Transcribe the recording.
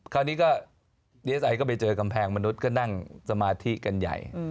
คราวนี้ก็ดีเอสไอก็ไปเจอกำแพงมนุษย์ก็นั่งสมาธิกันใหญ่